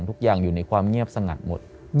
ทุกอย่างอยู่ในความเงียบสงัดหมด